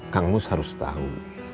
kang mus harus tahu